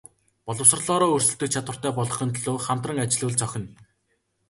Боловсролоороо өрсөлдөх чадвартай болгохын төлөө хамтран ажиллавал зохино.